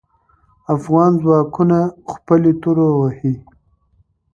افغان ځواکونه خپلې تورو وهې.